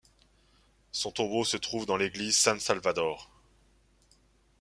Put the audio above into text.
Son tombeau se trouve dans l'église San Salvador.